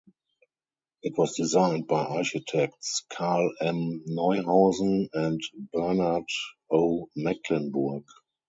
It was designed by architects Carl M. Neuhausen and Bernard O. Mecklenburg.